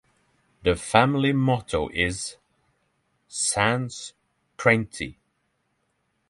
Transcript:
The family motto is "Sans crainte".